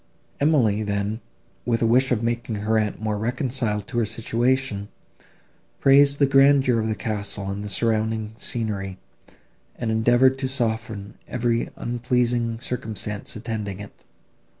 Emily, then, with a wish of making her aunt more reconciled to her situation, praised the grandeur of the castle and the surrounding scenery, and endeavoured to soften every unpleasing circumstance attending it.